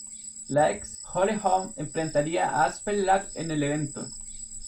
La ex Holly Holm enfrentaría a Aspen Ladd en el evento.